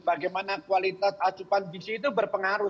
bagaimana kualitas acupan gizi itu berpengaruh